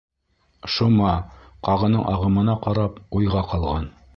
Шома, Ҡағының ағымына ҡарап, уйға ҡалған.